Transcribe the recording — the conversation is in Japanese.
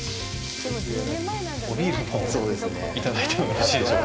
おビールをいただいてもよろしいでしょうか。